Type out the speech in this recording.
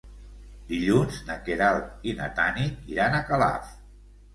Dilluns na Queralt i na Tanit iran a Calaf.